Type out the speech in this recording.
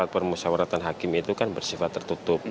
permusyawaratan hakim itu kan bersifat tertutup